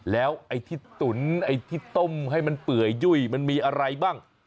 แล้วไอ้ที่ตุ๋นไอ้ที่ต้มให้มันเปื่อยยุ่ยมันมีอะไรบ้าง